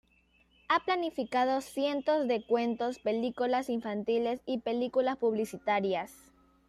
Ha planificado cientos de cuentos, películas infantiles y películas publicitarias.